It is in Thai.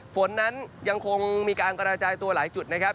ฝนนั้นยังคงมีการกระจายตัวหลายจุดนะครับ